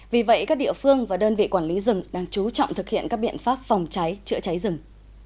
vì vậy các địa phương và đơn vị quản lý rừng đang chú trọng thực hiện các biện pháp phòng cháy chữa cháy rừng